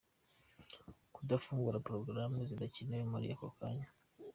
Kudafungura porogaramu zidakenewe muri ako kanya.